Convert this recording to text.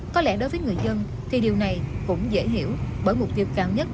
có lẽ đối với người dân thì điều này cũng dễ hiểu bởi mục tiêu cao nhất